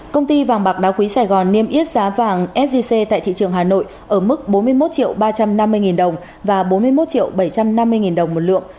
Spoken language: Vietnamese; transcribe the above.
công ty vàng bạc đá quý sài gòn niêm yết giá vàng sgc tại thị trường hà nội ở mức bốn mươi một ba trăm năm mươi đồng và bốn mươi một bảy trăm năm mươi đồng một lượng